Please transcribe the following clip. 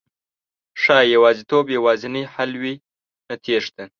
ښایي يوازېتوب یوازېنی حل وي، نه تېښته